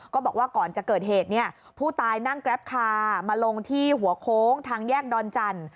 บอกว่าก่อนจะเกิดเหตุเนี่ยผู้ตายนั่งแกรปคามาลงที่หัวโค้งทางแยกดอนจันทร์